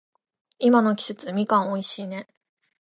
今の季節、みかん美味しいね。